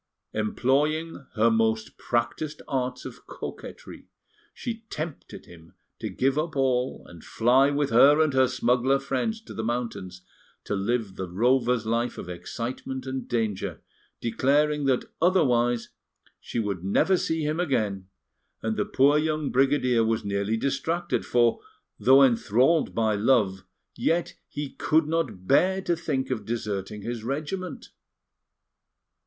Employing her most practised arts of coquetry, she tempted him to give up all and fly with her and her smuggler friends to the mountains, to live the rover's life of excitement and danger, declaring that, otherwise, she would never see him again; and the poor young brigadier was nearly distracted, for, though enthralled by love, yet he could not bear to think of deserting his regiment.